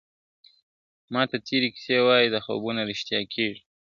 ماته تیري کیسې وايي دا خوبونه ریشتیا کیږي !.